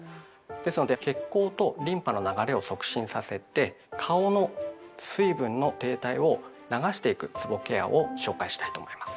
ですので血行とリンパの流れを促進させて顔の水分の停滞を流していくつぼケアを紹介したいと思います。